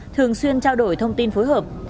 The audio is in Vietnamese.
thường xuyên trao đổi thông tin phối hợp